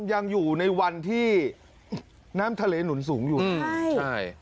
ยังอยู่ในวันที่น้ำทะเลหนุนสูงอยู่ใช่